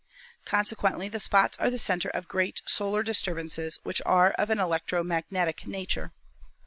Consequently the spots are the center of great solar dis turbances which are of an electro magnetic nature.